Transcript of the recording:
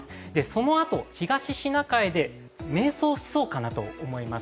そのあと、東シナ海で迷走しそうかなと思います。